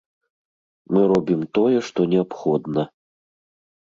Мы робім тое, што неабходна.